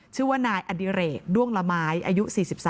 ชื่อว่านายอดิเรกด้วงละไม้อายุ๔๓